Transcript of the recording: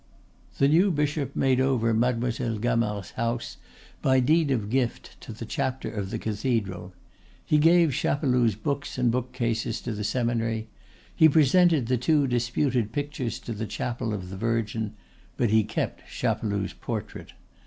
The new bishop made over Mademoiselle Gamard's house by deed of gift to the Chapter of the cathedral; he gave Chapeloud's books and bookcases to the seminary; he presented the two disputed pictures to the Chapel of the Virgin; but he kept Chapeloud's portrait.